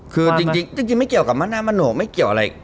คือจริงไม่เกี่ยวกับมั่นหน้ามั่นโหนกไม่เกี่ยวอะไร